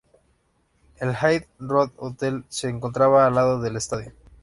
El Hyde Road Hotel se encontraba al lado del estadio.